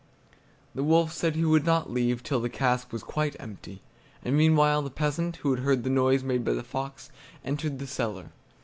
The wolf said he would not leave till the cask was quite empty; and meanwhile the peasant, who had heard the noise made by the fox, entered the cellar.